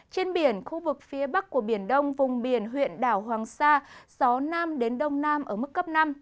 trên biển khu vực phía bắc của biển đông vùng biển huyện đảo hoàng sa gió nam đến đông nam ở mức cấp năm